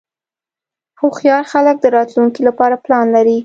هوښیار خلک د راتلونکې لپاره پلان لري.